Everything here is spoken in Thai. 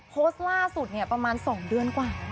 โพสต์ล่าสุดเนี่ยประมาณ๒เดือนกว่า